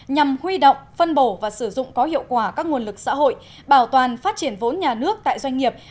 nhằm huy động phân bổ và sử dụng có hiệu quả các nguồn lực xã hội bảo toàn phát triển vốn nhà nước tại doanh nghiệp